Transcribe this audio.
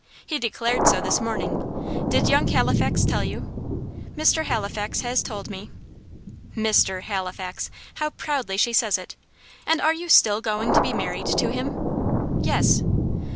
He declared so this morning. Did young Halifax tell you?" "Mr. Halifax has told me." "'MR. Halifax!' how proudly she says it. And are you still going to be married to him?" "Yes."